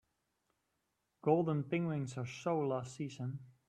Golden penguins are so last season.